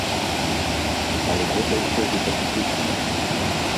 Але гэта ўсё гіпатэтычна.